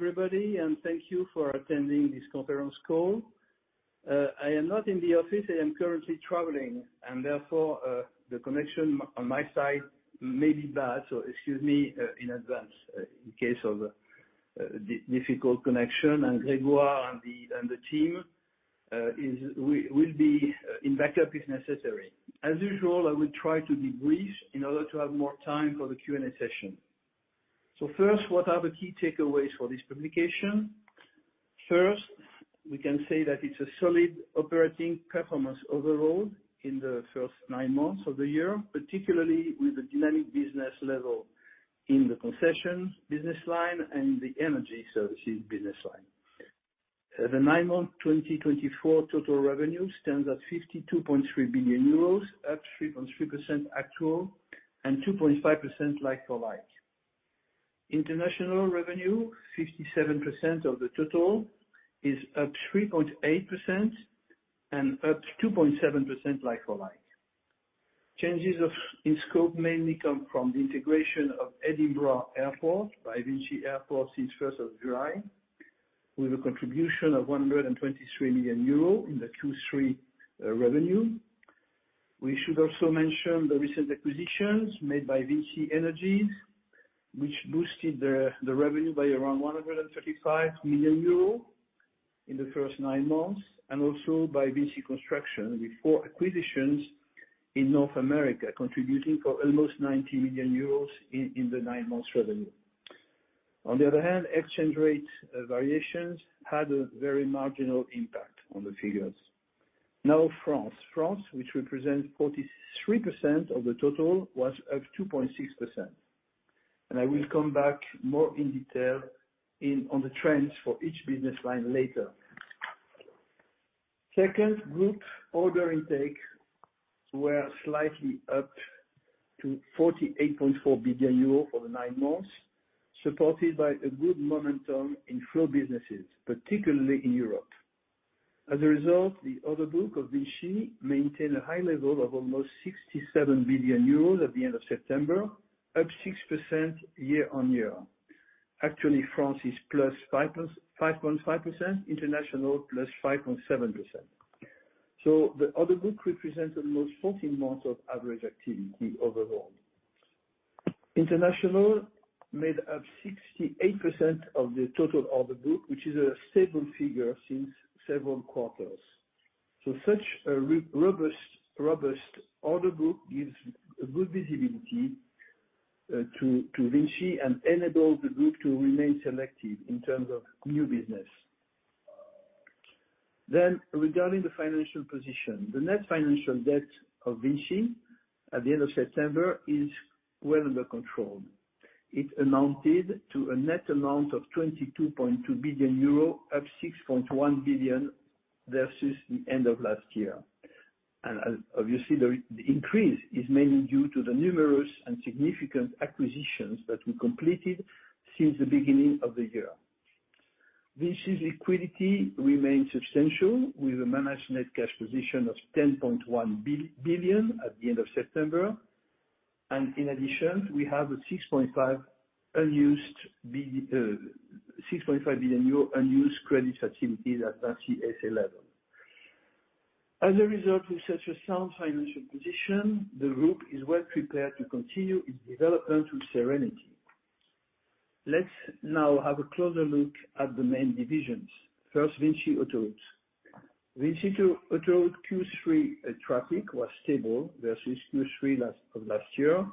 Hello, everybody, and thank you for attending this conference call. I am not in the office. I am currently traveling, and therefore, the connection on my side may be bad. So excuse me in advance in case of difficult connection, and Grégoire and the team will be in backup if necessary. As usual, I will try to be brief in order to have more time for the Q&A session. So first, what are the key takeaways for this publication? First, we can say that it's a solid operating performance overall in the first nine months of the year, particularly with the dynamic business level in the concessions business line and the energy services business line. The nine-month 2024 total revenue stands at 52.3 billion euros, up 3.3% actual, and 2.5% like-for-like. International revenue, 57% of the total, is up 3.8% and up 2.7% like-for-like. Changes in scope mainly come from the integration of Edinburgh Airport by VINCI Airports since first of July, with a contribution of 123 million euro in the Q3 revenue. We should also mention the recent acquisitions made by VINCI Energies, which boosted the revenue by around 135 million euros in the first nine months, and also by VINCI Construction, with four acquisitions in North America, contributing for almost 90 million euros in the nine months revenue. On the other hand, exchange rate variations had a very marginal impact on the figures. Now, France. France, which represents 43% of the total, was up 2.6%. And I will come back more in detail on the trends for each business line later. Second, group order intake were slightly up to 48.4 billion euro for the nine months, supported by a good momentum in flow businesses, particularly in Europe. As a result, the order book of VINCI maintain a high level of almost 67 billion euros at the end of September, up 6% year on year. Actually, France is +5.5%, international, +5.7%. So the order book represents almost 14 months of average activity overall. International made up 68% of the total order book, which is a stable figure since several quarters. Such a robust order book gives good visibility to VINCI and enables the group to remain selective in terms of new business. Regarding the financial position, the net financial debt of VINCI at the end of September is well under control. It amounted to a net amount of 22.2 billion euro, up 6.1 billion versus the end of last year. As obviously the increase is mainly due to the numerous and significant acquisitions that we completed since the beginning of the year. VINCI's liquidity remains substantial, with a managed net cash position of 10.1 billion at the end of September, and in addition, we have 6.5 billion euro unused credit facilities at the VINCI SA level. As a result of such a sound financial position, the group is well prepared to continue its development with serenity. Let's now have a closer look at the main divisions. First, VINCI Autoroutes. VINCI Autoroutes Q3 traffic was stable versus Q3 last year.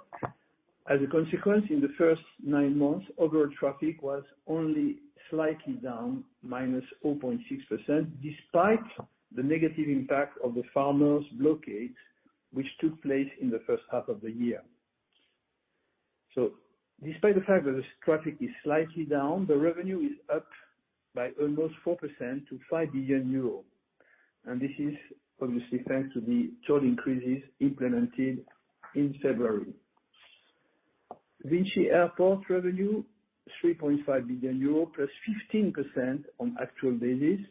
As a consequence, in the first nine months, overall traffic was only slightly down, -0.6%, despite the negative impact of the farmers' blockades, which took place in the first half of the year. So despite the fact that this traffic is slightly down, the revenue is up by almost 4% to 5 billion euros, and this is obviously thanks to the toll increases implemented in February. VINCI Airports revenue, 3.5 billion euro, +15% on actual basis,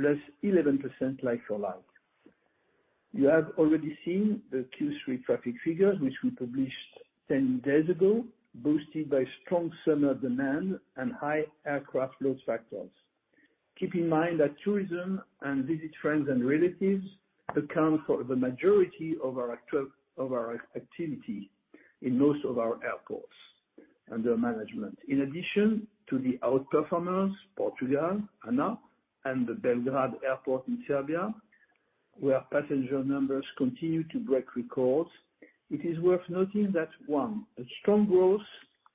+11% like-for-like. You have already seen the Q3 traffic figures, which we published 10 days ago, boosted by strong summer demand and high aircraft load factors. Keep in mind that tourism and visit friends and relatives account for the majority of our actual activity in most of our airports under management. In addition to the outperformance, Portugal, ANA, and the Belgrade Airport in Serbia, where passenger numbers continue to break records, it is worth noting that, one, a strong growth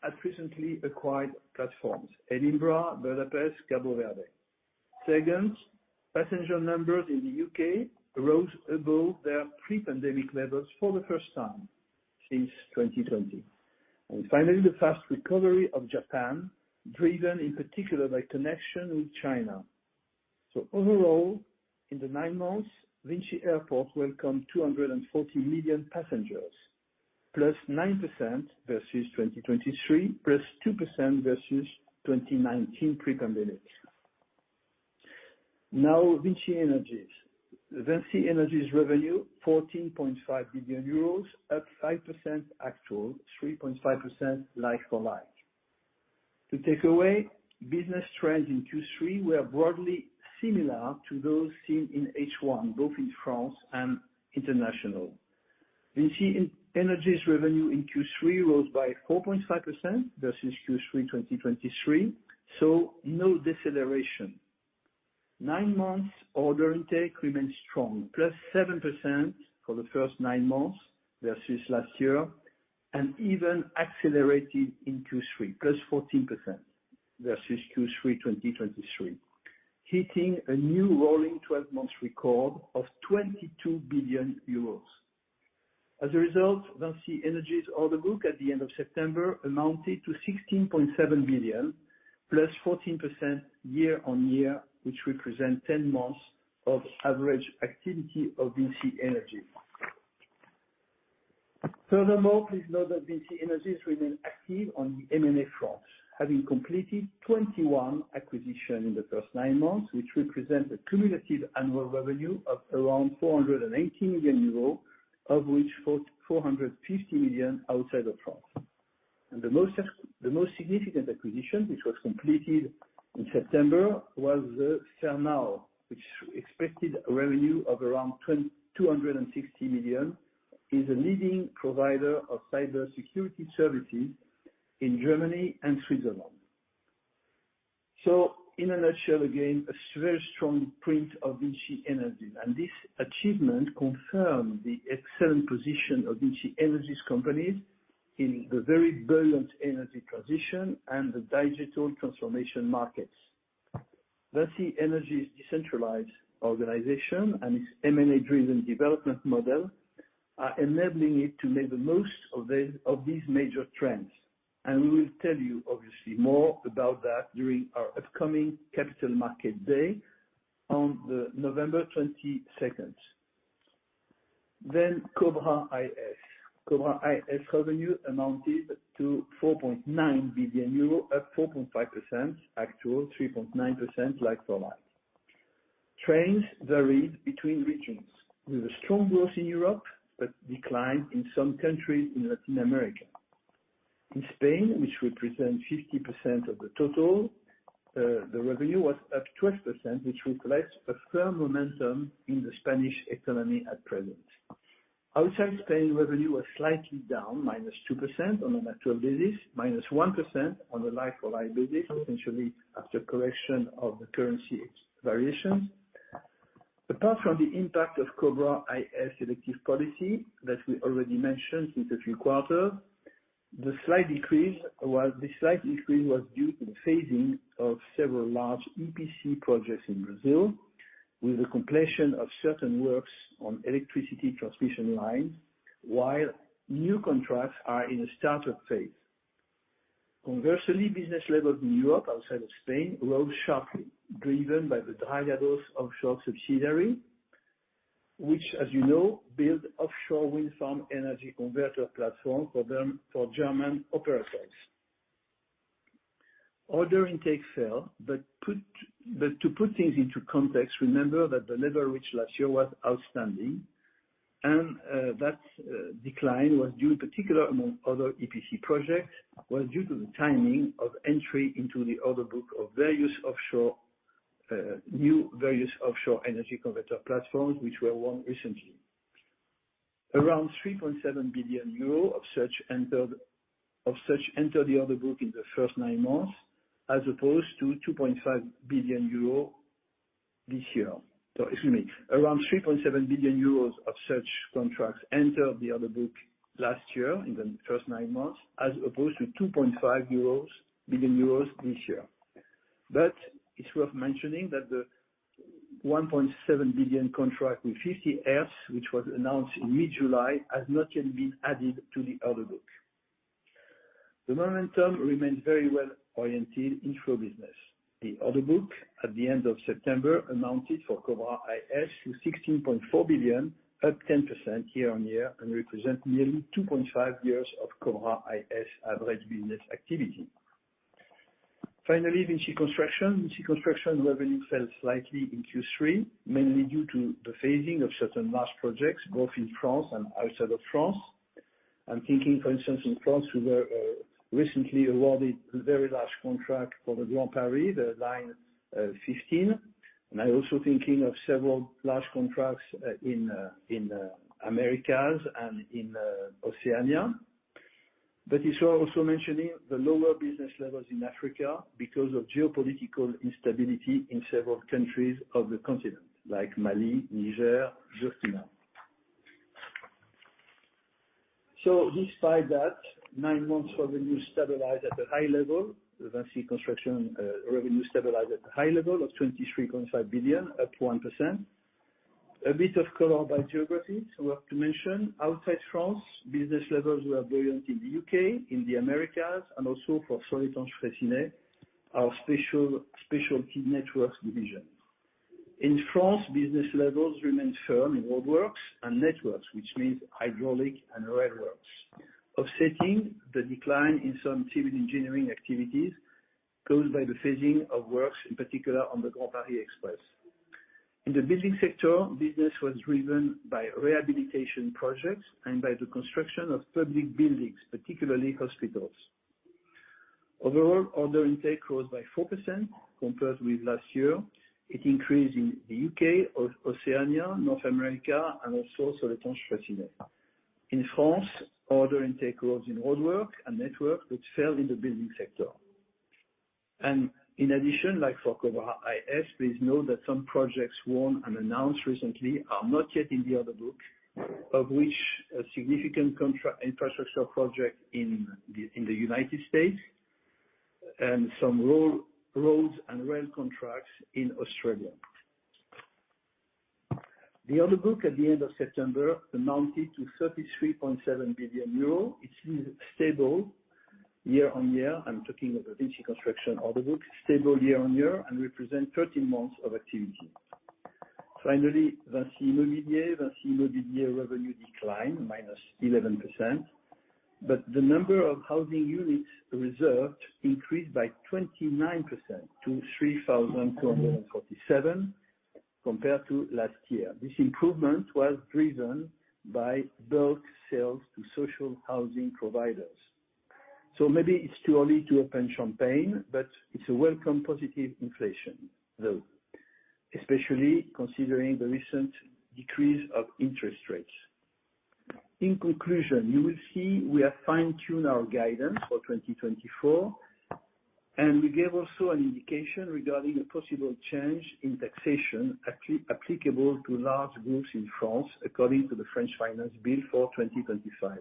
at recently acquired platforms, Edinburgh, Budapest, Cape Verde. Second, passenger numbers in the U.K. rose above their pre-pandemic levels for the first time since 2020. And finally, the fast recovery of Japan, driven in particular by connection with China. So overall, in the nine months, VINCI Airports welcomed 240 million passengers, +9% versus 2023, +2% versus 2019 pre-pandemic. Now, VINCI Energies. VINCI Energies revenue 14.5 billion euros, up 5% actual, 3.5% like-for-like. The takeaway business trends in Q3 were broadly similar to those seen in H1, both in France and international. VINCI Energies revenue in Q3 rose by 4.5% versus Q3 2023, so no deceleration. Nine months order intake remains strong, +7% for the first nine months versus last year, and even accelerated in Q3, +14% versus Q3 2023, hitting a new rolling 12-month record of 22 billion euros. As a result, VINCI Energies order book at the end of September amounted to 16.7 billion, +14% year on year, which represent 10 months of average activity of VINCI Energies. Furthermore, please note that VINCI Energies remains active on the M&A front, having completed 21 acquisition in the first nine months, which represent a cumulative annual revenue of around 480 million euros, of which 450 million outside of France. The most significant acquisition, which was completed in September, was the Fernao, which expected revenue of around 260 million, is a leading provider of cybersecurity services in Germany and Switzerland. In a nutshell, again, a very strong print of VINCI Energies, and this achievement confirms the excellent position of VINCI Energies companies in the very buoyant energy transition and the digital transformation markets. VINCI Energies' decentralized organization and its M&A-driven development model are enabling it to make the most of these major trends. And we will tell you obviously more about that during our upcoming Capital Markets Day on November 22. Then Cobra IS. Cobra IS revenue amounted to 4.9 billion euro, at 4.5% actual, 3.9% like-for-like. Trends varied between regions, with a strong growth in Europe, but declined in some countries in Latin America. In Spain, which represent 50% of the total, the revenue was up 12%, which reflects a firm momentum in the Spanish economy at present. Outside Spain, revenue was slightly down, -2% on a natural basis, -1% on a like-for-like basis, essentially after correction of the currency variations. Apart from the impact of Cobra IS selective policy that we already mentioned in the third quarter, the slight decrease was due to the phasing of several large EPC projects in Brazil, with the completion of certain works on electricity transmission line, while new contracts are in a start-up phase. Conversely, business levels in Europe, outside of Spain, rose sharply, driven by the Dragados Offshore subsidiary, which, as you know, build offshore wind farm energy converter platform for German operators. Order intake fell, but to put things into context, remember that the level reached last year was outstanding, and that decline was due, in particular, among other EPC projects, to the timing of entry into the order book of various new offshore energy converter platforms, which were won recently. Around 3.7 billion euro of such entered the order book in the first nine months, as opposed to 2.5 billion euro this year. So excuse me, around 3.7 billion euros of such contracts entered the order book last year in the first nine months, as opposed to 2.5 billion euros this year. But it's worth mentioning that the 1.7 billion contract with 50Hertz, which was announced in mid-July, has not yet been added to the order book. The momentum remains very well oriented in flow business. The order book at the end of September amounted for Cobra IS to 16.4 billion, up 10% year on year, and represent nearly 2.5 years of Cobra IS average business activity. Finally, VINCI Construction. VINCI Construction revenue fell slightly in Q3, mainly due to the phasing of certain large projects, both in France and outside of France. I'm thinking, for instance, in France, we were recently awarded a very large contract for the Grand Paris Express, Line 15. And I'm also thinking of several large contracts in Americas and in Oceania. But it's worth also mentioning the lower business levels in Africa, because of geopolitical instability in several countries of the continent, like Mali, Niger, just to name a few. So despite that, nine months revenue stabilized at a high level. VINCI Construction revenue stabilized at a high level of 23.5 billion, up 1%. A bit of color by geography, so we have to mention, outside France, business levels were buoyant in the U.K., in the Americas, and also for Soletanche Bachy, our specialty networks division. In France, business levels remained firm in roadworks and networks, which means hydraulic and rail works, offsetting the decline in some civil engineering activities caused by the phasing of works, in particular on the Grand Paris Express. In the building sector, business was driven by rehabilitation projects and by the construction of public buildings, particularly hospitals. Overall, order intake rose by 4% compared with last year. It increased in the U.K., Oceania, North America, and also Soletanche Bachy. In France, order intake rose in roadworks and networks, but fell in the building sector. In addition, like for Cobra IS, please note that some projects won and announced recently are not yet in the order book, of which a significant contract infrastructure project in the United States and some roads and rail contracts in Australia. The order book at the end of September amounted to 33.7 billion euro. It's stable year on year. I'm talking of the VINCI Construction order book, stable year on year and represent 13 months of activity. Finally, VINCI Immobilier. VINCI Immobilier revenue declined -11%, but the number of housing units reserved increased by 29% to 3,247 compared to last year. This improvement was driven by bulk sales to social housing providers. Maybe it's too early to open champagne, but it's a welcome positive inflation, though, especially considering the recent decrease of interest rates. In conclusion, you will see we have fine-tuned our guidance for 2024, and we gave also an indication regarding a possible change in taxation applicable to large groups in France, according to the French finance bill for 2025.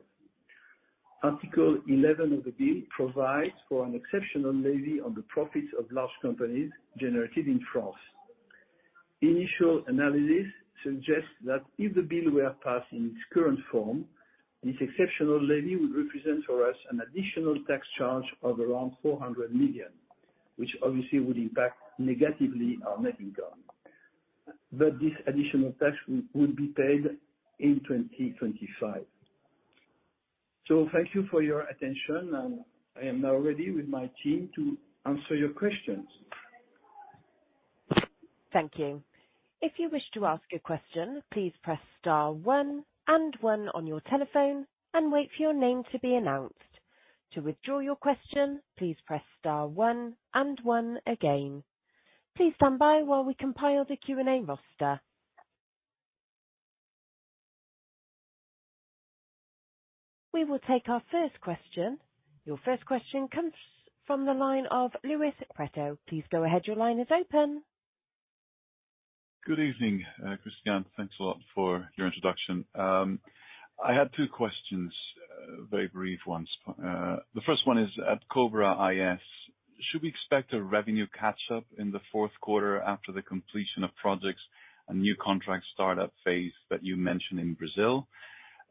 Article 11 of the bill provides for an exceptional levy on the profits of large companies generated in France. Initial analysis suggests that if the bill were passed in its current form, this exceptional levy would represent for us an additional tax charge of around 400 million, which obviously would impact negatively our net income. But this additional tax would be paid in 2025. So thank you for your attention, and I am now ready with my team to answer your questions. Thank you. If you wish to ask a question, please press star one and one on your telephone and wait for your name to be announced. To withdraw your question, please press star one and one again. Please stand by while we compile the Q&A roster. We will take our first question. Your first question comes from the line of Luis Prieto. Please go ahead. Your line is open. Good evening, Christian. Thanks a lot for your introduction. I had two questions, very brief ones. The first one is, at Cobra IS, should we expect a revenue catch-up in the fourth quarter after the completion of projects and new contract start-up phase that you mentioned in Brazil?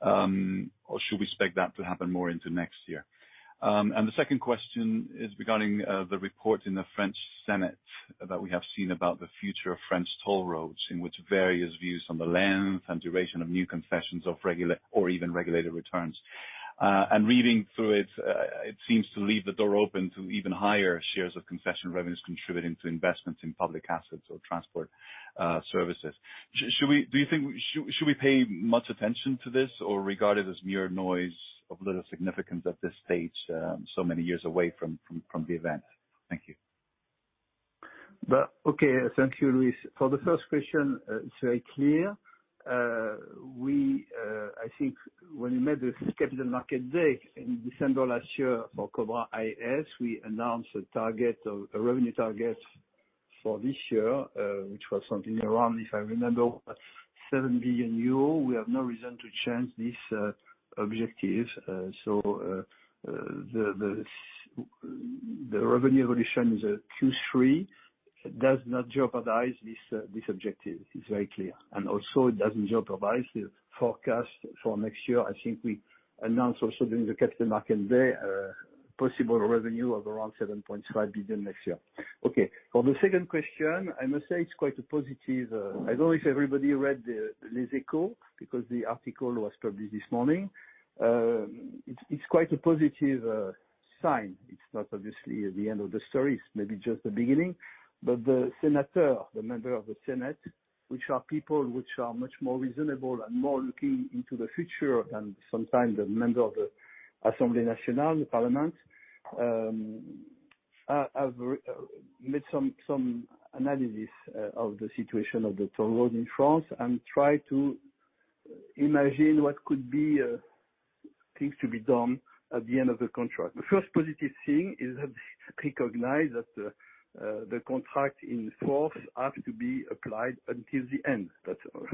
Or should we expect that to happen more into next year? And the second question is regarding, the report in the French Senate that we have seen about the future of French toll roads, in which various views on the length and duration of new concessions of regular or even regulated returns. And reading through it, it seems to leave the door open to even higher shares of concession revenues contributing to investments in public assets or transport, services. Should we pay much attention to this, or regard it as mere noise of little significance at this stage, so many years away from the event? Thank you. Well, okay. Thank you, Luis. For the first question, it's very clear. We, I think when we made the Capital Markets Day in December last year for Cobra IS, we announced a target of, a revenue target for this year, which was something around, if I remember, 7 billion euro. We have no reason to change this objective. So, the revenue evolution is Q3, it does not jeopardize this objective. It's very clear, and also, it doesn't jeopardize the forecast for next year. I think we announced also during the Capital Markets Day, possible revenue of around 7.5 billion next year. Okay. For the second question, I must say it's quite a positive. I don't know if everybody read the Les Echos, because the article was published this morning. It's quite a positive sign. It's not obviously the end of the story, it's maybe just the beginning. But the Senator, the member of the Senate, which are people which are much more reasonable and more looking into the future than sometimes the members of the Assemblée nationale, the Parliament, have made some analysis of the situation of the toll road in France and try to imagine what could be things to be done at the end of the contract. The first positive thing is that they recognize that the contract in force have to be applied until the end. That's all.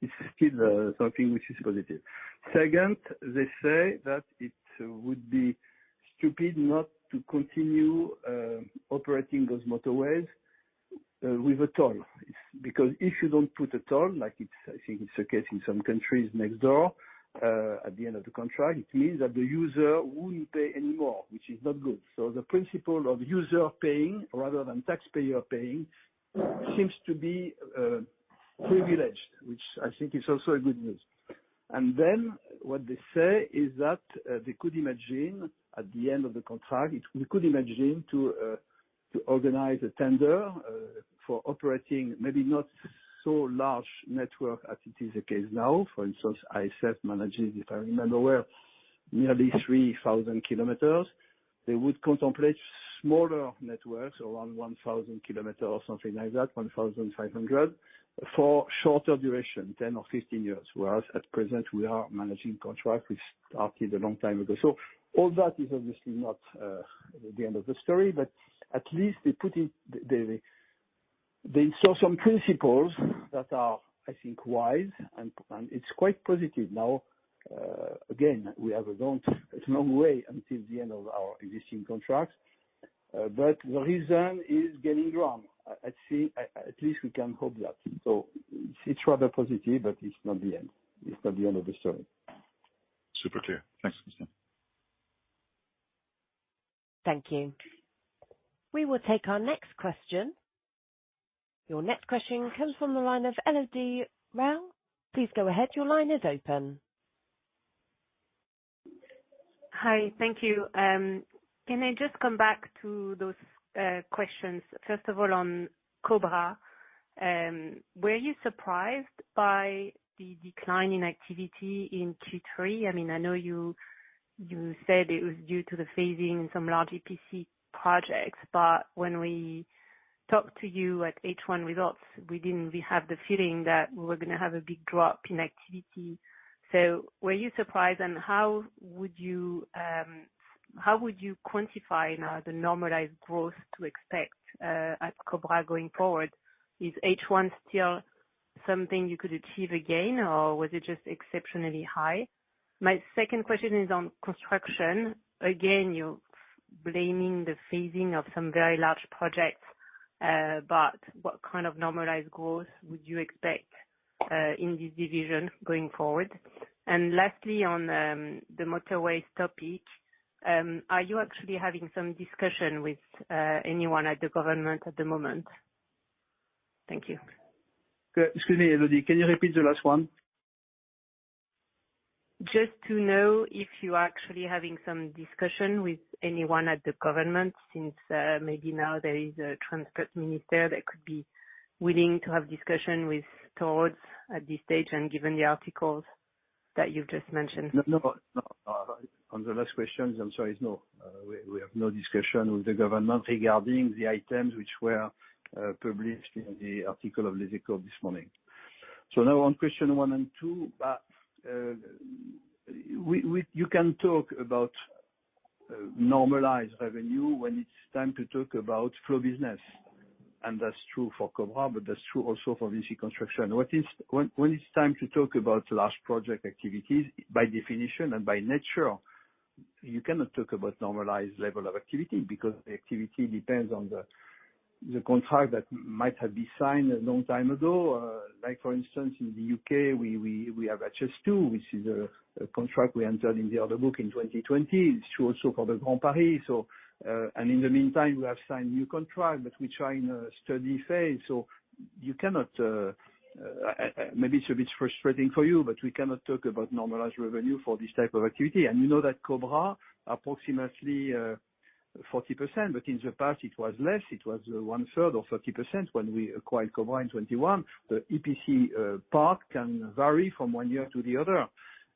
This is still something which is positive. Second, they say that it would be stupid not to continue operating those motorways with a toll. It's because if you don't put a toll, like it's, I think it's the case in some countries next door, at the end of the contract, it means that the user wouldn't pay anymore, which is not good. So the principle of user paying rather than taxpayer paying seems to be privileged, which I think is also a good news. And then, what they say is that they could imagine, at the end of the contract, we could imagine to organize a tender for operating, maybe not so large network as it is the case now. For instance, it's managing, if I remember well, nearly 3,000 km. They would contemplate smaller networks, around 1,000 km or something like that, 1,500, for shorter duration, 10 or 15 years. Whereas at present, we are managing contract which started a long time ago, so all that is obviously not the end of the story, but at least they put it. They saw some principles that are, I think, wise, and it's quite positive. Now, again, we have a long way until the end of our existing contracts, but the reason is getting wrong. I think, at least we can hope that, so it's rather positive, but it's not the end. It's not the end of the story. Super clear. Thanks, Christian. Thank you. We will take our next question. Your next question comes from the line of Elodie Rall. Please go ahead. Your line is open. Hi, thank you. Can I just come back to those questions? First of all, on Cobra, were you surprised by the decline in activity in Q3? I mean, I know you said it was due to the phasing some large EPC projects, but when we talked to you at H1 results, we didn't really have the feeling that we were gonna have a big drop in activity. So were you surprised? And how would you, how would you quantify now the normalized growth to expect at Cobra going forward? Is H1 still something you could achieve again, or was it just exceptionally high? My second question is on construction. Again, you're blaming the phasing of some very large projects, but what kind of normalized growth would you expect in this division going forward? And lastly, on the motorways topic, are you actually having some discussion with anyone at the government at the moment? Thank you. Excuse me, Elodie, can you repeat the last one? Just to know if you are actually having some discussion with anyone at the government, since maybe now there is a transport minister that could be willing to have discussion with VINCI at this stage, and given the articles that you've just mentioned? No, no, on the last question, I'm sorry, it's no. We have no discussion with the government regarding the items which were published in the article of Les Echos this morning. So now on question one and two, we—you can talk about normalized revenue when it's time to talk about flow business, and that's true for Cobra, but that's true also for VINCI Construction. What is—When it's time to talk about large project activities, by definition and by nature, you cannot talk about normalized level of activity, because the activity depends on the contract that might have been signed a long time ago. Like for instance, in the U.K., we have HS2, which is a contract we entered in the order book in 2020. It's true also for the Grand Paris. In the meantime, we have signed new contract, but we're trying a steady phase. You cannot, maybe it's a bit frustrating for you, but we cannot talk about normalized revenue for this type of activity. You know that Cobra, approximately, 40%, but in the past it was less. It was 1/3 or 30% when we acquired Cobra in 2021. The EPC part can vary from one year to the other.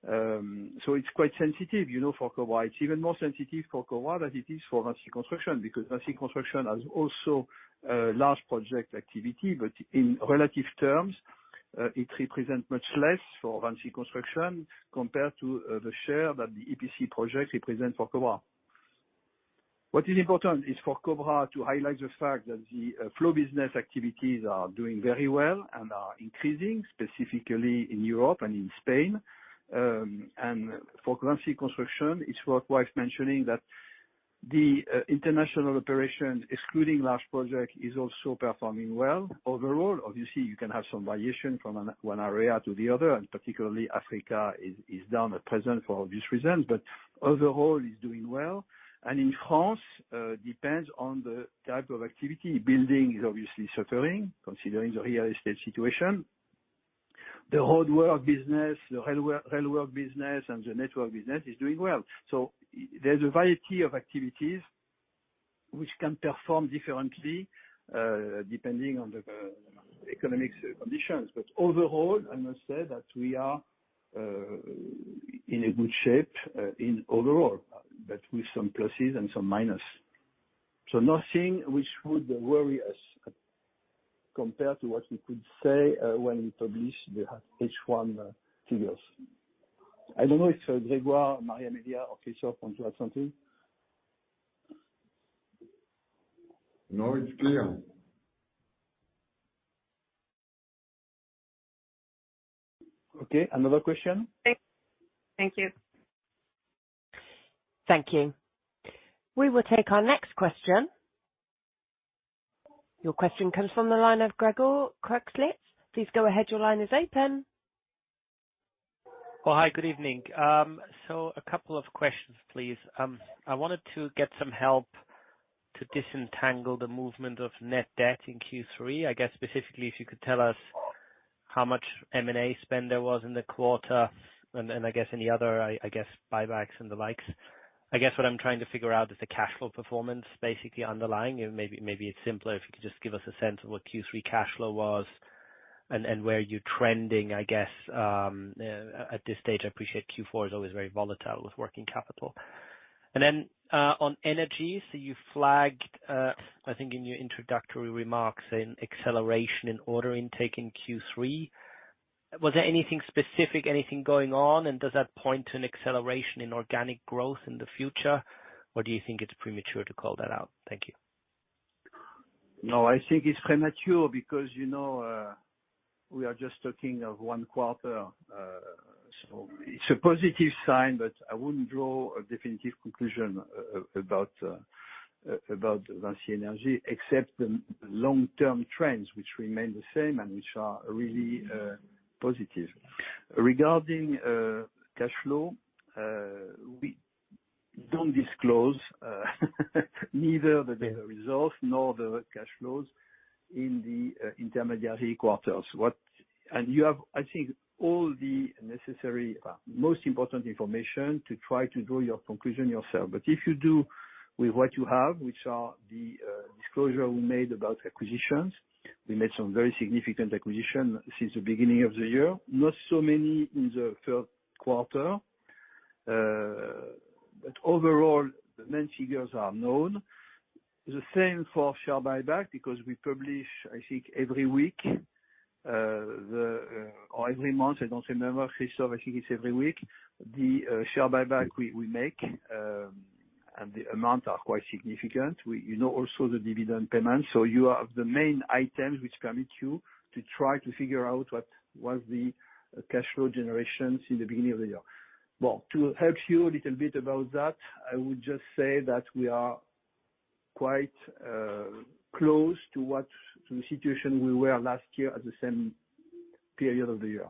It's quite sensitive, you know, for Cobra. It's even more sensitive for Cobra than it is for VINCI Construction, because VINCI Construction has also large project activity. But in relative terms, it represents much less for VINCI Construction compared to the share that the EPC project represents for Cobra. What is important is for Cobra to highlight the fact that the flow business activities are doing very well and are increasing, specifically in Europe and in Spain, and for VINCI Construction, it's worthwhile mentioning that the international operations, excluding large project, is also performing well. Overall, obviously, you can have some variation from one area to the other, and particularly Africa is down at present for obvious reasons, but overall is doing well, and in France depends on the type of activity. Building is obviously suffering, considering the real estate situation. The roadwork business, the railwork business, and the network business is doing well, so there's a variety of activities which can perform differently, depending on the economic conditions. But overall, I must say that we are in a good shape in overall, but with some pluses and some minus. So nothing which would worry us, compared to what we could say when we published the H1 figures. I don't know if Grégoire, Maria, Amelia, or Christophe want to add something? No, it's clear. Okay. Another question? Thank you. Thank you. We will take our next question. Your question comes from the line of Gregor Kuglitsch. Please go ahead, your line is open. Oh, hi, good evening. So a couple of questions, please. I wanted to get some help to disentangle the movement of net debt in Q3. I guess, specifically, if you could tell us how much M&A spend there was in the quarter, and I guess any other buybacks and the likes. I guess what I'm trying to figure out is the cash flow performance, basically underlying, and maybe it's simpler if you could just give us a sense of what Q3 cash flow was, and where you're trending, I guess, at this stage. I appreciate Q4 is always very volatile with working capital. And then, on energy, so you flagged, I think in your introductory remarks, an acceleration in order intake in Q3. Was there anything specific, anything going on? Does that point to an acceleration in organic growth in the future, or do you think it's premature to call that out? Thank you. No, I think it's premature because, you know, we are just talking of one quarter. So it's a positive sign, but I wouldn't draw a definitive conclusion about VINCI Energies, except the long-term trends, which remain the same, and which are really positive. Regarding cash flow, we don't disclose neither the EBIT results, nor the cash flows in the interim quarters. You have, I think, all the necessary, most important information to try to draw your conclusion yourself. But if you do with what you have, which are the disclosures we made about acquisitions, we made some very significant acquisitions since the beginning of the year, not so many in the third quarter. But overall, the main figures are known. The same for share buyback, because we publish, I think, every week or every month, I don't remember. Christophe, I think it's every week, the share buyback we make, and the amount are quite significant. We, you know, also the dividend payment, so you have the main items which permit you to try to figure out what was the cash flow generations in the beginning of the year. Well, to help you a little bit about that, I would just say that we are quite close to what to the situation we were last year at the same period of the year.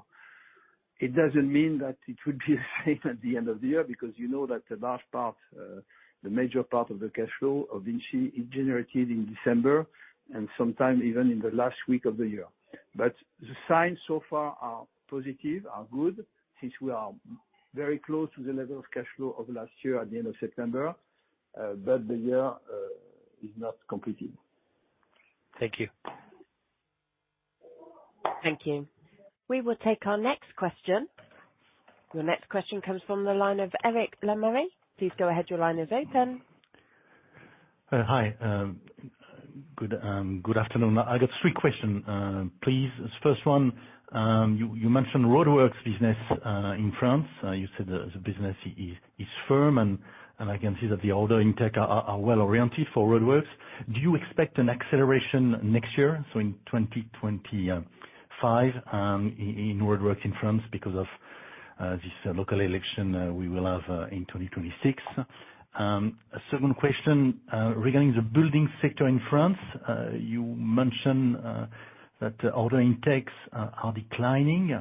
It doesn't mean that it would be the same at the end of the year, because you know that the last part, the major part of the cash flow of VINCI is generated in December, and sometimes even in the last week of the year. But the signs so far are positive, are good, since we are very close to the level of cash flow of last year at the end of September, but the year is not completed. Thank you. Thank you. We will take our next question. The next question comes from the line of Eric Lemarié. Please go ahead, your line is open. Hi, good afternoon. I got three question, please. First one, you mentioned roadworks business in France. You said the business is firm, and I can see that the order intake are well oriented for roadworks. Do you expect an acceleration next year, so in 2025 in roadworks in France because of this local election we will have in 2026? Second question, regarding the building sector in France, you mentioned that order intakes are declining.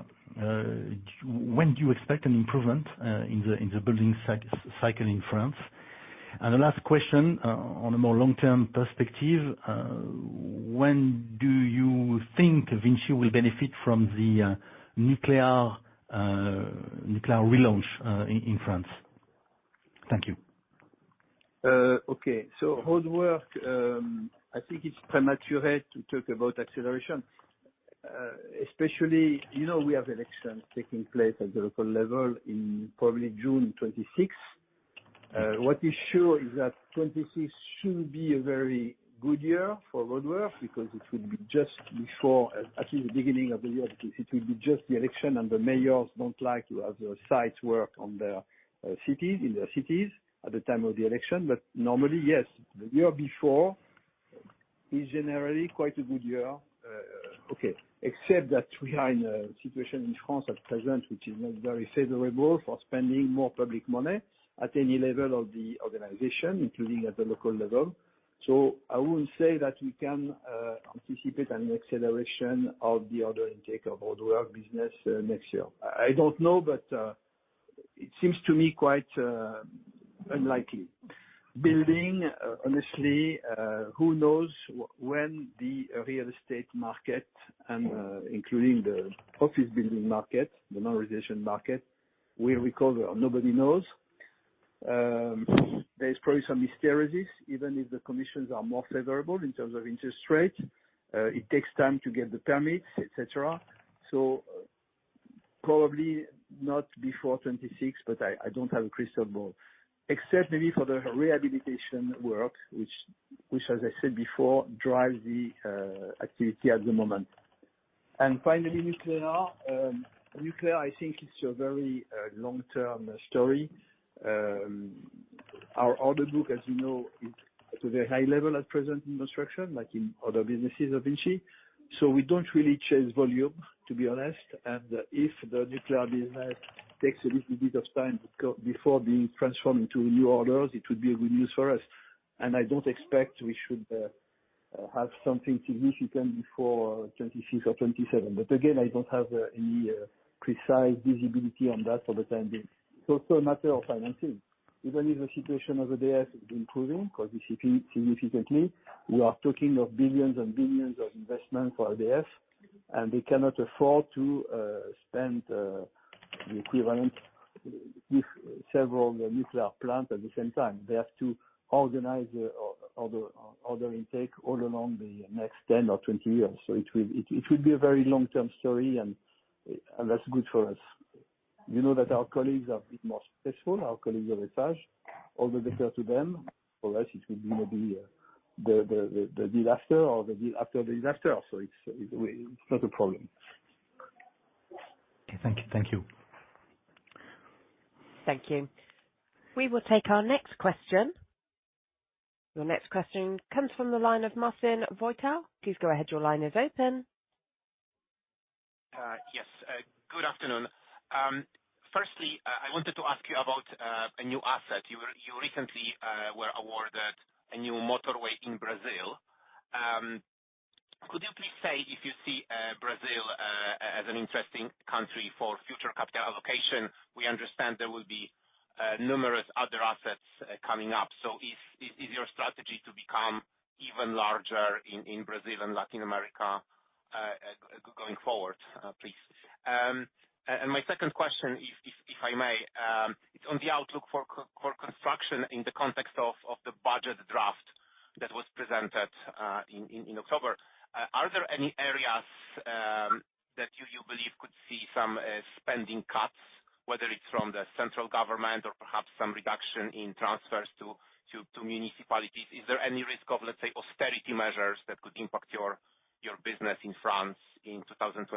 When do you expect an improvement in the building cycle in France? And the last question, on a more long-term perspective, when do you think VINCI will benefit from the nuclear relaunch in France? Thank you. Okay. So roadwork, I think it's premature to talk about acceleration, especially, you know, we have elections taking place at the local level in probably June 2026. What is sure is that 2026 should be a very good year for roadwork, because it will be just before, actually the beginning of the year, it will be just the election, and the Mayors don't like to have the sites work on their cities, in their cities at the time of the election. But normally, yes, the year before is generally quite a good year. Except that we are in a situation in France at present, which is not very favorable for spending more public money at any level of the organization, including at the local level. So I wouldn't say that we can anticipate an acceleration of the order intake of roadwork business next year. I don't know, but it seems to me quite unlikely. Building, honestly, who knows when the real estate market and, including the office building market, the normalization market, will recover? Nobody knows. There is probably some mysteries, even if the commissions are more favorable in terms of interest rate, it takes time to get the permits, et cetera. So probably not before 2026, but I don't have a crystal ball, except maybe for the rehabilitation work, which as I said before, drives the activity at the moment. And finally, nuclear. Nuclear, I think, is a very long-term story. Our order book, as you know, is at the high level at present in construction, like in other businesses of VINCI, so we don't really chase volume, to be honest. And if the nuclear business takes a little bit of time before being transformed into new orders, it would be good news for us. And I don't expect we should have something significant before 2026 or 2027. But again, I don't have any precise visibility on that for the time being. It's also a matter of financing. Even if the situation of EDF is improving quite significantly, we are talking of billions and billions of investment for EDF, and we cannot afford to spend the equivalent with several nuclear plant at the same time. They have to organize all the order intake all along the next 10 or 20 years. So it will be a very long-term story, and that's good for us. We know that our colleagues are a bit more successful, our colleagues at Eiffage, all the better to them. For us, it will be maybe the disaster or after the disaster. So it's not a problem. Okay, thank you, thank you. Thank you. We will take our next question. Your next question comes from the line of Marcin Wojtal. Please go ahead, your line is open. Yes, good afternoon. Firstly, I wanted to ask you about a new asset. You recently were awarded a new motorway in Brazil. Could you please say if you see Brazil as an interesting country for future capital allocation? We understand there will be numerous other assets coming up, so is your strategy to become even larger in Brazil and Latin America going forward, please? And my second question, if I may, it's on the outlook for construction in the context of the budget draft that was presented in October. Are there any areas that you believe could see some spending cuts, whether it's from the central government or perhaps some reduction in transfers to municipalities? Is there any risk of, let's say, austerity measures that could impact your business in France in 2025?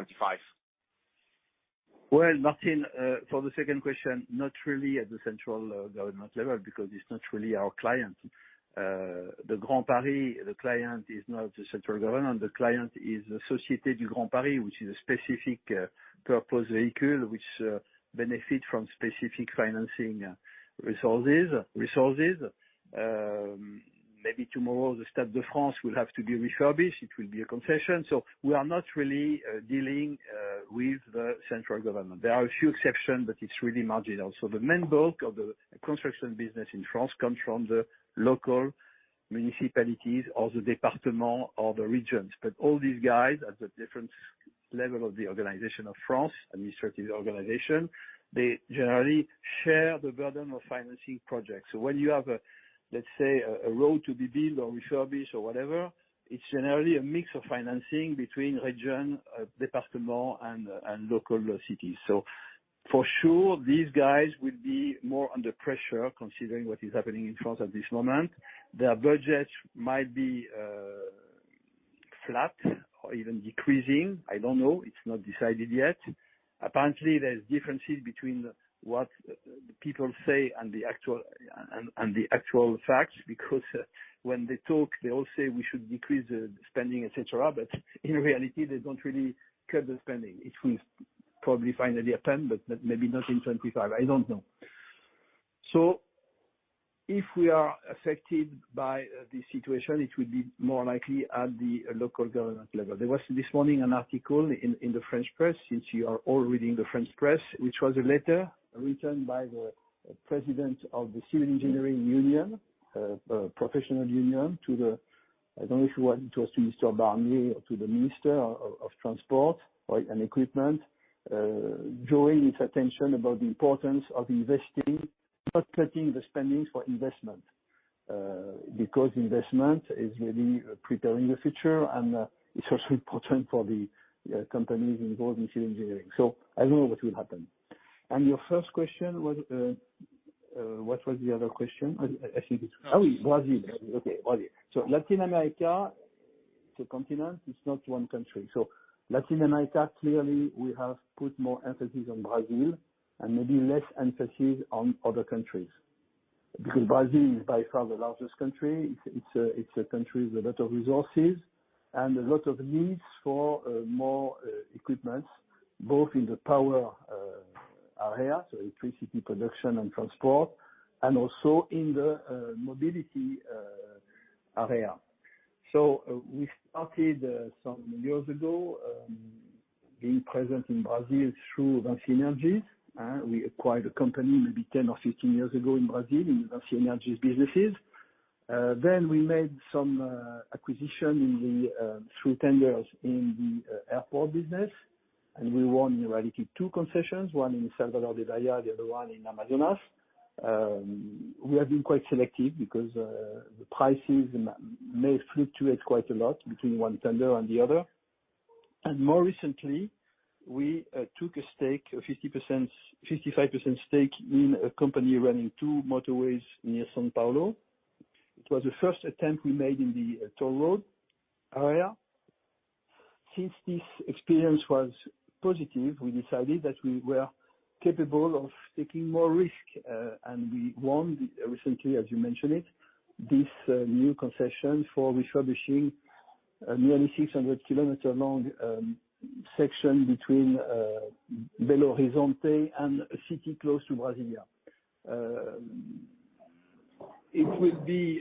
Well, Marcin, for the second question, not really at the central government level, because it's not really our client. The Grand Paris, the client is not the central government, the client is Société du Grand Paris, which is a specific purpose vehicle, which benefit from specific financing resources. Maybe tomorrow, the Stade de France will have to be refurbished, it will be a concession. We are not really dealing with the central government. There are a few exceptions, but it's really marginal. The main bulk of the construction business in France comes from the local municipalities or the département or the regions, but all these guys, at the different level of the organization of France, administrative organization, they generally share the burden of financing projects. So when you have, let's say, a road to be built or refurbished or whatever, it's generally a mix of financing between région, département and local cities. So for sure, these guys will be more under pressure considering what is happening in France at this moment. Their budgets might be flat or even decreasing, I don't know, it's not decided yet. Apparently, there's differences between what the people say and the actual facts, because when they talk, they all say we should decrease the spending, et cetera, but in reality, they don't really cut the spending. It will probably finally happen, but maybe not in 2025. I don't know. So if we are affected by the situation, it will be more likely at the local government level. There was, this morning, an article in the French press, since you are all reading the French press, which was a letter written by the President of the Civil Engineering Union, professional union, to the... I don't know if it was to Mr. Barnier or to the Minister of Transport or, and Equipment, drawing his attention about the importance of investing, not cutting the spendings for investment, because investment is really preparing the future, and it's also important for the companies involved in civil engineering. So I don't know what will happen. And your first question was, what was the other question? I think it's... Oh, yes, Brazil. Okay, Brazil. So Latin America, the continent, is not one country. So Latin America, clearly, we have put more emphasis on Brazil and maybe less emphasis on other countries, because Brazil is by far the largest country. It's a country with a lot of resources and a lot of needs for more equipments, both in the power area, so electricity production and transport, and also in the mobility area. We started some years ago being present in Brazil through VINCI Energies. We acquired a company maybe 10 or 15 years ago in Brazil, in VINCI Energies businesses. Then we made some acquisition in the through tenders in the airport business, and we won, in reality, two concessions, one in Salvador de Bahia, the other one in Amazonas. We have been quite selective because the prices may fluctuate quite a lot between one tender and the other, and more recently, we took a stake, a 50%, 55% stake in a company running two motorways near São Paulo. It was the first attempt we made in the toll road area. Since this experience was positive, we decided that we were capable of taking more risk, and we won recently, as you mentioned it, this new concession for refurbishing a nearly 600 km long section between Belo Horizonte and a city close to Brasília. It will be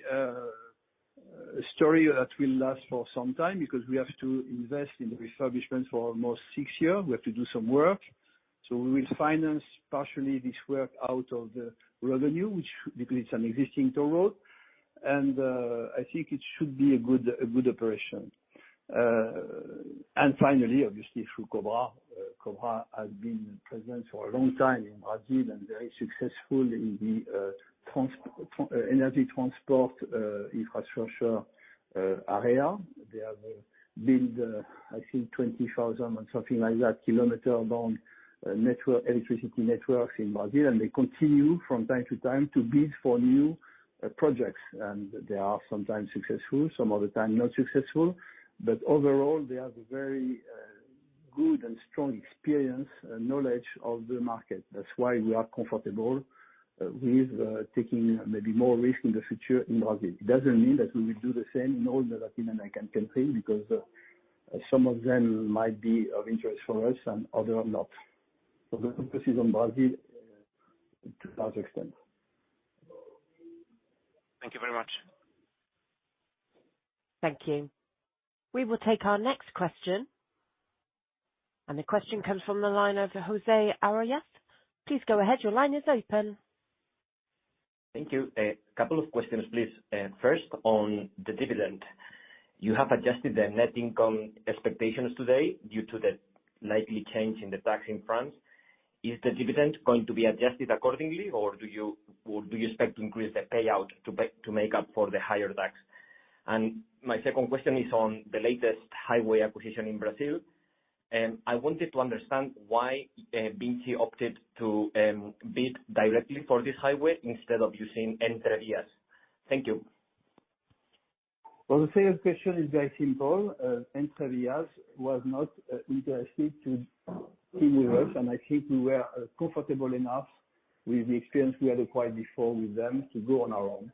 a story that will last for some time, because we have to invest in the refurbishment for almost six years. We have to do some work, so we will finance partially this work out of the revenue, which, because it's an existing toll road, and I think it should be a good operation. And finally, obviously, through Cobra. Cobra has been present for a long time in Brazil, and very successful in the energy transport infrastructure area. They have built, I think 20,000 km, or something like that, long network, electricity networks in Brazil, and they continue from time to time to bid for new projects. And they are sometimes successful, some other times not successful, but overall, they have a very good and strong experience and knowledge of the market. That's why we are comfortable with taking maybe more risk in the future in Brazil. It doesn't mean that we will do the same in all the Latin American country, because some of them might be of interest for us, and other are not. So the focus is on Brazil to large extent. Thank you very much. Thank you. We will take our next question, and the question comes from the line of José Arroyas. Please go ahead. Your line is open. Thank you. A couple of questions, please. First, on the dividend, you have adjusted the net income expectations today due to the likely change in the tax in France. Is the dividend going to be adjusted accordingly, or do you expect to increase the payout to make up for the higher tax? And my second question is on the latest highway acquisition in Brazil, and I wanted to understand why VINCI opted to bid directly for this highway instead of using Entrevias. Thank you. Well, the second question is very simple. Entrevias was not interested to team with us, and I think we were comfortable enough with the experience we had acquired before with them to go on our own.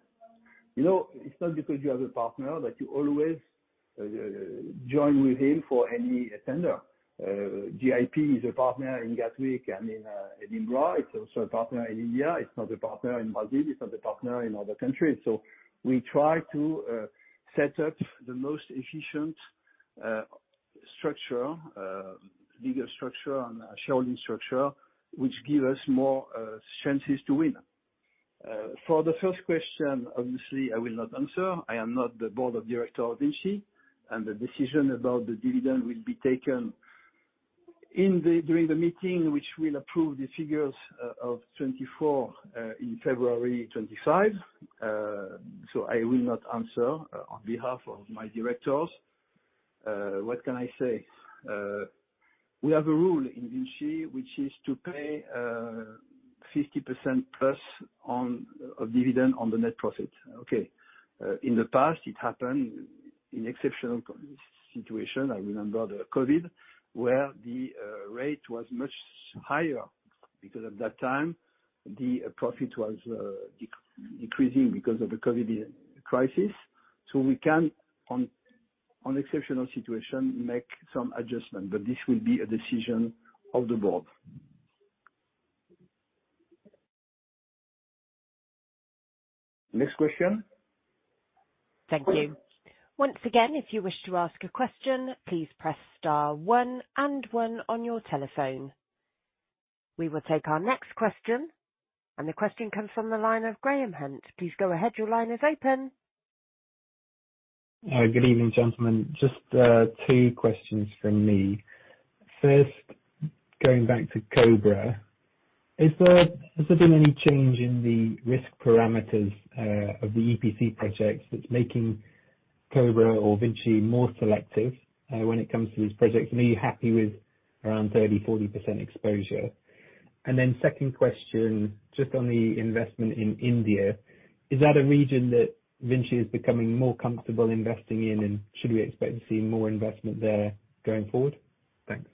You know, it's not because you have a partner, that you always join with him for any tender. GIP is a partner in Gatwick and in Edinburgh. It's also a partner in India. It's not a partner in Brazil. It's not a partner in other countries. So we try to set up the most efficient structure, legal structure and sharing structure, which give us more chances to win. For the first question, obviously, I will not answer. I am not the Board of Directors of VINCI, and the decision about the dividend will be taken during the meeting, which will approve the figures of 2024 in February 2025. So I will not answer on behalf of my Directors. What can I say? We have a rule in VINCI, which is to pay 50%+ dividend on the net profit. Okay, in the past, it happened in exceptional situation. I remember the COVID, where the rate was much higher, because at that time, the profit was decreasing because of the COVID crisis. So we can on exceptional situation make some adjustment, but this will be a decision of the Board. Next question? Thank you. Once again, if you wish to ask a question, please press star one and one on your telephone. We will take our next question, and the question comes from the line of Graham Hunt. Please go ahead. Your line is open. Good evening, gentlemen. Just two questions from me. First, going back to Cobra, is there, has there been any change in the risk parameters of the EPC projects that's making Cobra or VINCI more selective when it comes to these projects? And are you happy with around 30%, 40% exposure? And then second question, just on the investment in India, is that a region that VINCI is becoming more comfortable investing in, and should we expect to see more investment there going forward? Thanks.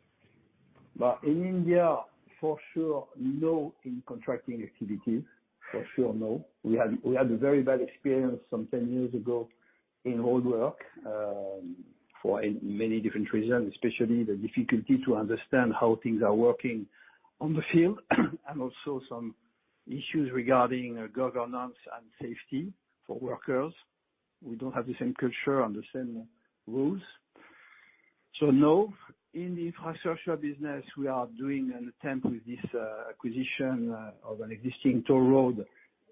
In India, for sure, no, in contracting activities, for sure, no. We had a very bad experience some 10 years ago in roadwork, for many different reasons, especially the difficulty to understand how things are working on the field, and also some issues regarding governance and safety for workers. We don't have the same culture and the same rules. So no, in the infrastructure business, we are doing an attempt with this acquisition of an existing toll road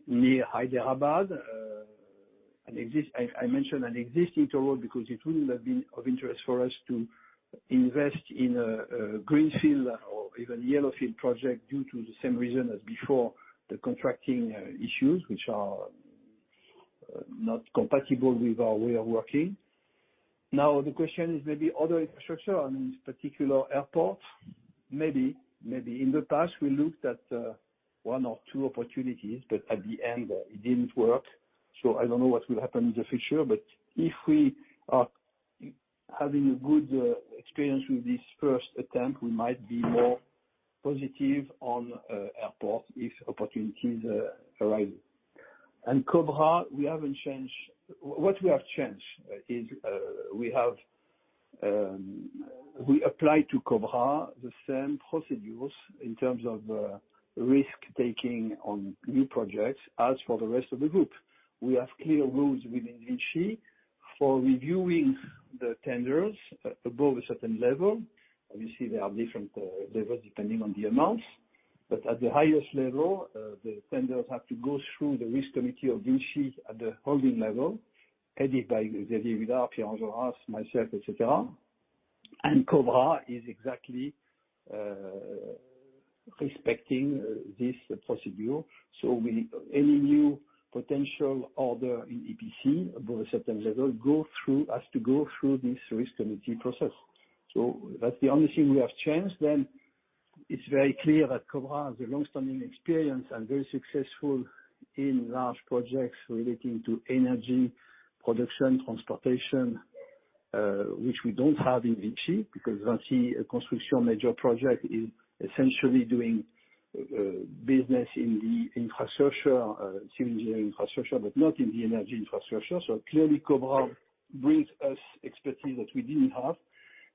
near Hyderabad. I mentioned an existing toll road, because it wouldn't have been of interest for us to invest in a greenfield or even yellowfield project, due to the same reason as before, the contracting issues, which are not compatible with our way of working. Now, the question is, maybe other infrastructure on this particular airport. Maybe. In the past we looked at one or two opportunities, but at the end, it didn't work. So I don't know what will happen in the future, but if we are having a good experience with this first attempt, we might be more positive on airport if opportunities arrive. And Cobra, we haven't changed. What we have changed is we apply to Cobra the same procedures in terms of risk-taking on new projects as for the rest of the group. We have clear rules within VINCI for reviewing the tenders above a certain level. Obviously, there are different levels depending on the amounts, but at the highest level, the tenders have to go through the risk committee of VINCI at the holding level, headed by Xavier Huillard, Pierre Anjolras, myself, et cetera, and Cobra is exactly respecting this procedure. So, any new potential order in EPC, above a certain level, has to go through this risk committee process. That's the only thing we have changed. Then it's very clear that Cobra has a long-standing experience and very successful in large projects relating to energy production, transportation, which we don't have in VINCI, because VINCI, a construction major project, is essentially doing business in the infrastructure, civil engineering infrastructure, but not in the energy infrastructure. So clearly, Cobra brings us expertise that we didn't have.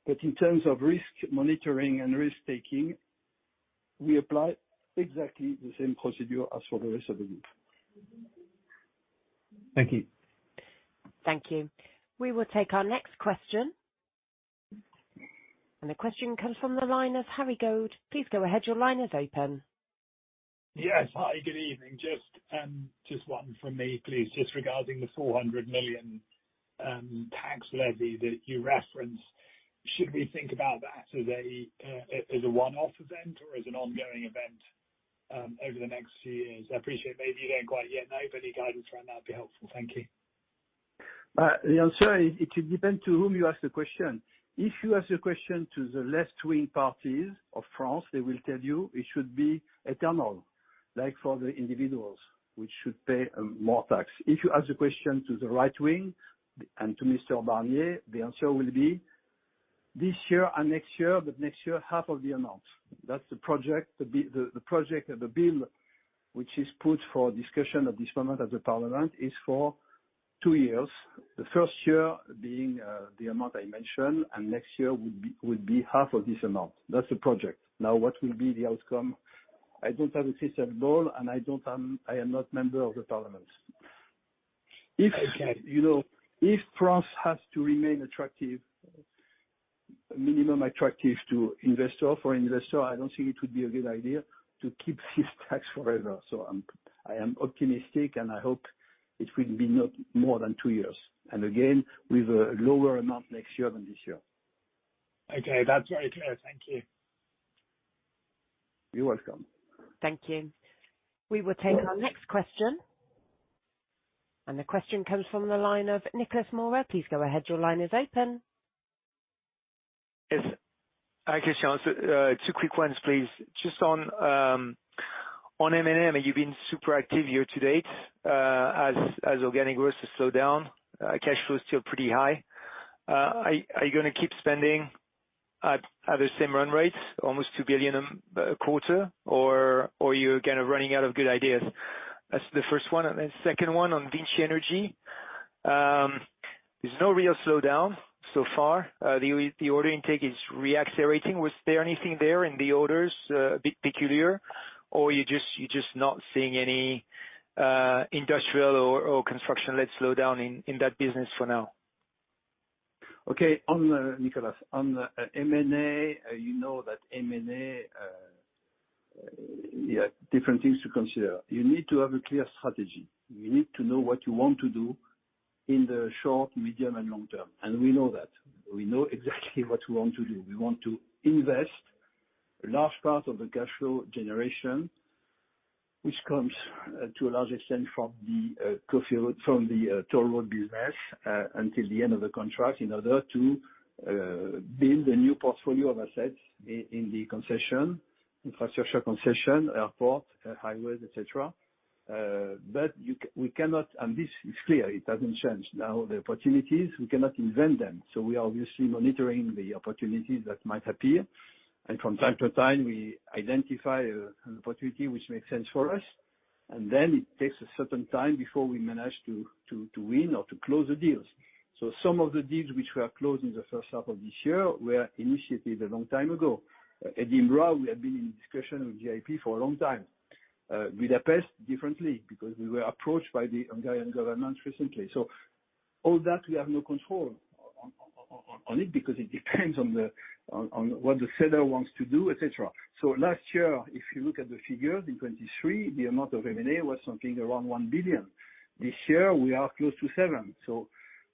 But in terms of risk monitoring and risk-taking, we apply exactly the same procedure as for the rest of the group. Thank you. Thank you. We will take our next question, and the question comes from the line of Harry Goad. Please go ahead, your line is open. Yes, hi, good evening. Just one from me, please. Just regarding the 400 million tax levy that you referenced, should we think about that as a one-off event, or as an ongoing event over the next few years? I appreciate maybe you don't quite yet know, but any guidance around that would be helpful. Thank you. The answer, it depends to whom you ask the question. If you ask the question to the left-wing parties of France, they will tell you it should be eternal, like for the individuals, which should pay more tax. If you ask the question to the right-wing, and to Mr. Barnier, the answer will be this year and next year, but next year, half of the amount. That's the project, the bill, which is put for discussion at this moment at the parliament, is for two years. The first year being the amount I mentioned, and next year would be half of this amount. That's the project. Now, what will be the outcome? I don't have a crystal ball, and I don't I am not a member of the parliament. Okay. If, you know, if France has to remain attractive, minimum attractive to investor, for investor, I don't think it would be a good idea to keep this tax forever. So I am optimistic, and I hope it will be not more than two years, and again, with a lower amount next year than this year. Okay, that's very clear. Thank you. You're welcome. Thank you. We will take our next question, and the question comes from the line of Nicolas Mora. Please go ahead, your line is open. Yes. Hi, Christian. Two quick ones, please. Just on M&A, you've been super active year to date, as organic growth has slowed down, cash flow is still pretty high. Are you gonna keep spending at the same run rate, almost 2 billion a quarter, or you're kind of running out of good ideas? That's the first one, and then second one, on VINCI Energies. There's no real slowdown so far. The order intake is re-accelerating. Was there anything there in the orders a bit peculiar, or you're just not seeing any industrial or construction-led slowdown in that business for now? Okay. On, Nicolas, on the, M&A, you know that M&A, yeah, different things to consider. You need to have a clear strategy. You need to know what you want to do in the short, medium, and long-term, and we know that. We know exactly what we want to do. We want to invest large part of the cash flow generation, which comes to a large extent from the toll road business, until the end of the contract, in order to build a new portfolio of assets in the concession, infrastructure concession, airport, highways, et cetera. But we cannot, and this is clear, it doesn't change, now, the opportunities, we cannot invent them, so we are obviously monitoring the opportunities that might appear, and from time to time, we identify an opportunity which makes sense for us, and then it takes a certain time before we manage to win or to close the deals. So some of the deals which were closed in the first half of this year were initiated a long time ago. Edinburgh, we have been in discussion with GIP for a long time. Budapest, differently, because we were approached by the Hungarian government recently. So all that, we have no control on it, because it depends on what the seller wants to do, et cetera. So last year, if you look at the figures, in 2023, the amount of M&A was something around 1 billion. This year, we are close to 7 billion. So,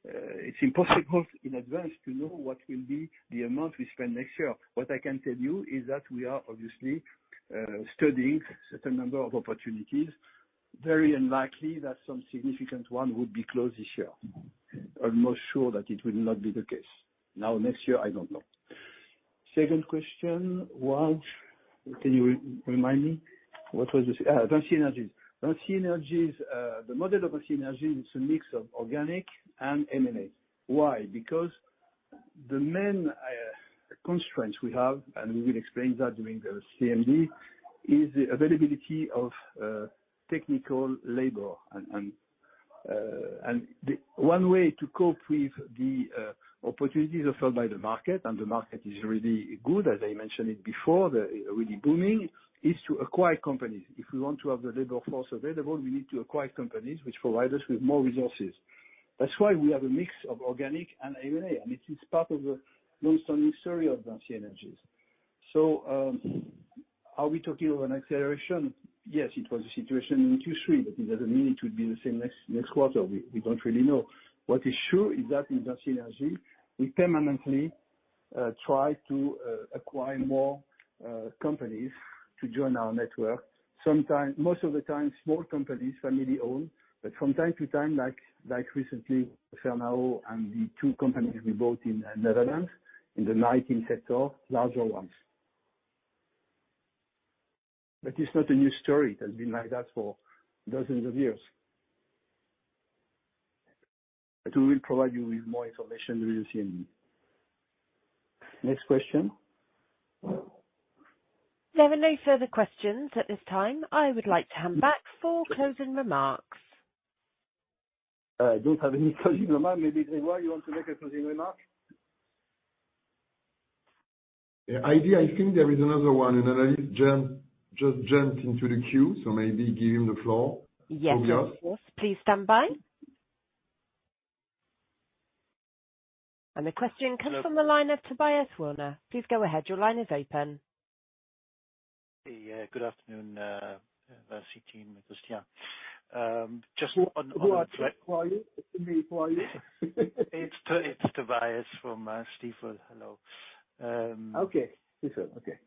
it's impossible in advance to know what will be the amount we spend next year. What I can tell you is that we are obviously studying certain number of opportunities, very unlikely that some significant one would be closed this year. I'm almost sure that it will not be the case. Now, next year, I don't know. Second question was... Can you re-remind me? What was the second? Ah, VINCI Energies. VINCI Energies, the model of VINCI Energies is a mix of organic and M&A. Why? Because... The main constraints we have, and we will explain that during the CMD, is the availability of technical labor. The one way to cope with the opportunities offered by the market, and the market is really good, as I mentioned it before, they're really booming, is to acquire companies. If we want to have the labor force available, we need to acquire companies which provide us with more resources. That's why we have a mix of organic and M&A, and it is part of the long-standing story of VINCI Energies. Are we talking of an acceleration? Yes, it was a situation in Q3, but it doesn't mean it will be the same next quarter. We don't really know. What is sure is that in VINCI Energies, we permanently try to acquire more companies to join our network. Sometimes, most of the time, small companies, family-owned, but from time to time, like recently, Fernao and the two companies we bought in the Netherlands, in the networks sector, larger ones. But it's not a new story. It has been like that for dozens of years. But we will provide you with more information during CMD. Next question? There are no further questions at this time. I would like to hand back for closing remarks. I don't have any closing remarks. Maybe Grégoire, you want to make a closing remark? Yeah, I think there is another one. An analyst jumped, just jumped into the queue, so maybe give him the floor. Yes. For us. Yes, please stand by. And the question comes from the line of Tobias Woerner. Please go ahead. Your line is open. Hey, good afternoon, VINCI team, it is yeah. Just on, on- Who are you? Who are you? It's Tobias from Stifel. Hello. Okay, Stifel, okay.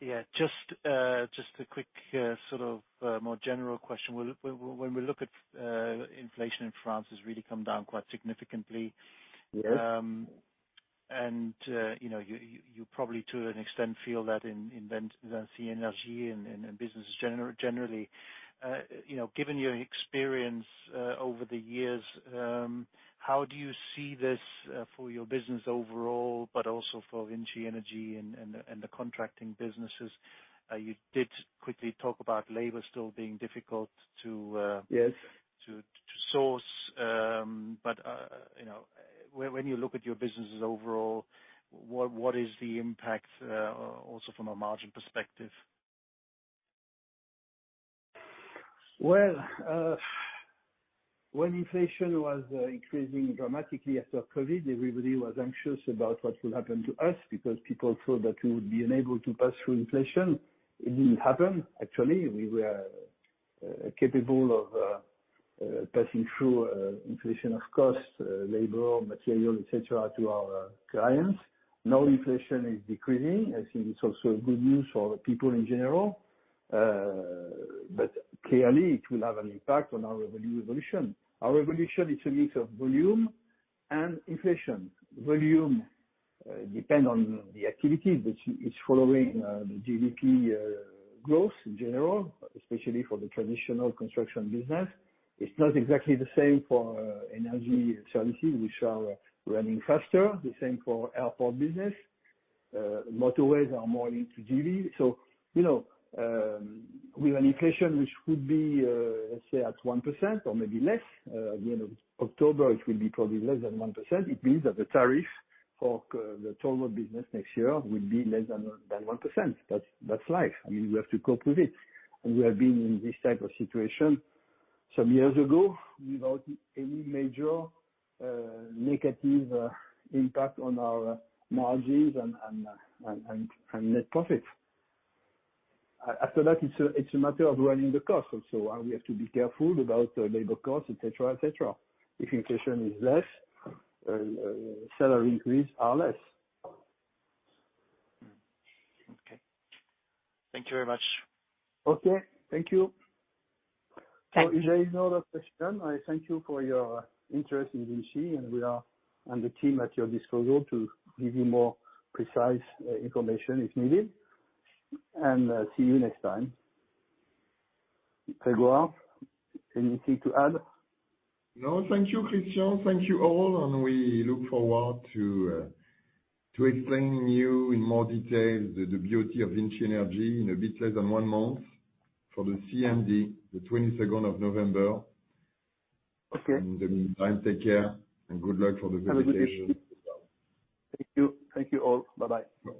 Yeah. Just, just a quick, sort of, more general question. When, when, when we look at inflation in France, it's really come down quite significantly. Yes. You know, you probably to an extent feel that in VINCI Energies and business generally. You know, given your experience over the years, how do you see this for your business overall, but also for VINCI Energies and the contracting businesses? You did quickly talk about labor still being difficult to Yes... to source. But you know, when you look at your businesses overall, what is the impact also from a margin perspective? Well, when inflation was increasing dramatically after COVID, everybody was anxious about what will happen to us, because people thought that we would be unable to pass through inflation. It didn't happen. Actually, we were capable of passing through inflation of cost, labor, material, et cetera, to our clients. Now, inflation is decreasing. I think it's also good news for the people in general. But clearly it will have an impact on our revenue evolution. Our evolution is a mix of volume and inflation. Volume depend on the activity, which is following the GDP growth in general, especially for the traditional construction business. It's not exactly the same for energy services, which are running faster. The same for airport business. Motorways are more linked to GDP. So, you know, with an inflation which would be, let's say at 1% or maybe less, at the end of October, it will be probably less than 1%. It means that the tariff for the total business next year will be less than 1%. That's life. I mean, we have to cope with it, and we have been in this type of situation some years ago without any major negative impact on our margins and net profits. After that, it's a matter of running the cost also, and we have to be careful about the labor costs, et cetera, et cetera. If inflation is less, salary increase are less. Okay. Thank you very much. Okay, thank you. Thank- So if there is no other question, I thank you for your interest in VINCI, and we are, and the team, at your disposal to give you more precise information if needed. And see you next time. Grégoire, anything to add? No. Thank you, Christian. Thank you all, and we look forward to explaining you in more detail the beauty of VINCI Energies in a bit less than one month for the CMD, the 22 of November. Okay. In the meantime, take care and good luck for the vacation. Have a good day. Bye-bye. Thank you. Thank you all. Bye-bye. Bye-bye.